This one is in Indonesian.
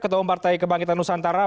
ketua partai kebangkitan nusantara